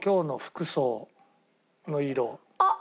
あっ。